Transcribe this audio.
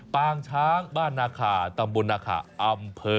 ปางช้างบ้านนาคาตำบลนาขาอำเภอ